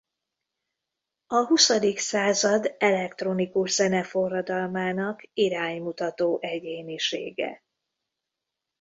A huszadik század elektronikus zene forradalmának iránymutató egyénisége.